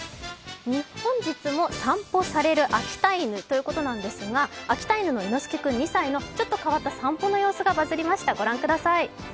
本日も散歩される秋田犬ということなんですが秋田犬の猪之助２歳のちょっと替わった散歩の様子がバズりました。